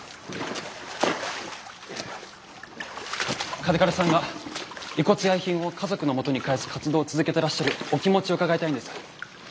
嘉手刈さんが遺骨や遺品を家族のもとに返す活動を続けてらっしゃるお気持ちを伺いたいんです。